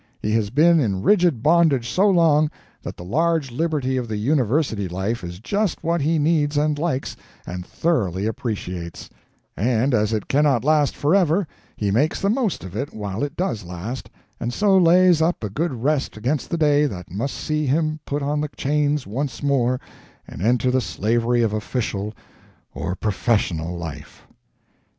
He has been in rigid bondage so long that the large liberty of the university life is just what he needs and likes and thoroughly appreciates; and as it cannot last forever, he makes the most of it while it does last, and so lays up a good rest against the day that must see him put on the chains once more and enter the slavery of official or professional life.